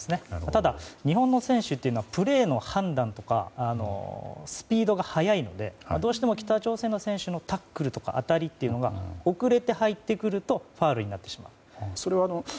ただ、日本の選手はプレーの判断とかスピードが速いのでどうしても北朝鮮の選手のタックルとか当たりというのが遅れて入ってくるとファウルになってしまう。